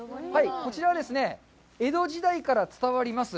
こちらはですね江戸時代から伝わります